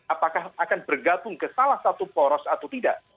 apakah akan bergabung ke salah satu poros atau tidak